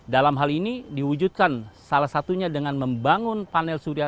dalam hal ini diwujudkan salah satunya dengan membangun panel surya